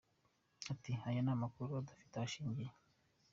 Ati "Aya ni amakuru adafite aho ashingiye.